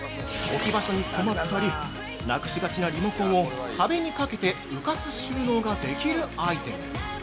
置き場所に困ったりなくしがちなリモコンを壁に掛けて浮かす収納ができるアイテム。